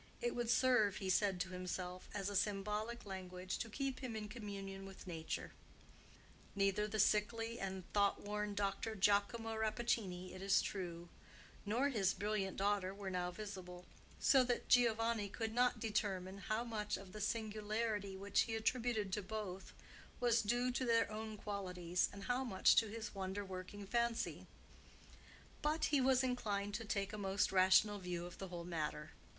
It would serve, he said to himself, as a symbolic language to keep him in communion with Nature. Neither the sickly and thoughtworn Dr. Giacomo Rappaccini, it is true, nor his brilliant daughter, were now visible; so that Giovanni could not determine how much of the singularity which he attributed to both was due to their own qualities and how much to his wonder working fancy; but he was inclined to take a most rational view of the whole matter.